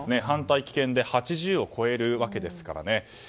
反対と棄権で８０を超えるわけですからね。